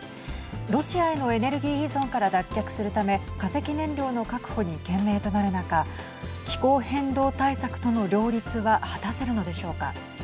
ロシアへのエネルギー依存から脱却するため化石燃料の確保に懸命となる中気候変動対策との両立は果たせるのでしょうか。